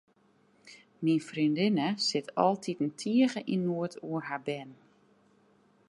Myn freondinne sit altiten tige yn noed oer har bern.